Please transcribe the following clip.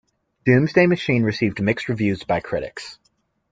"Doomsday Machine" received mixed reviews by critics.